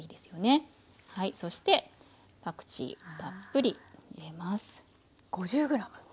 そしてパクチーをたっぷり入れます。